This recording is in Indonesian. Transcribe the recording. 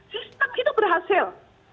sistem itu berhasil